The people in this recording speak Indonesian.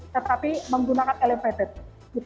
tetapi menggunakan elevated gitu